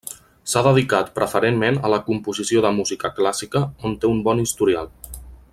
S'ha dedicat preferentment a la composició de música clàssica on té un bon historial.